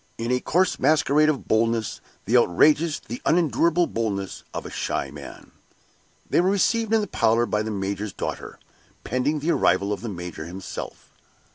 in a coarse masquerade of boldness the outrageous, the unendurable boldness of a shy man. They were received in the parlor by the major's daughter, pending the arrival of the major himself.